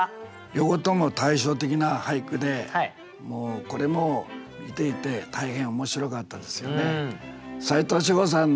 両方とも対照的な俳句でこれも見ていて大変面白かったですよね。